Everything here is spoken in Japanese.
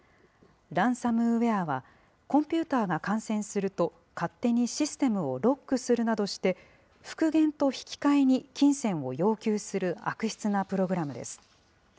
ランサムウェアは、コンピューターが感染すると勝手にシステムをロックするなどして、復元と引き換えに金銭を要求する、悪質なプログラムです。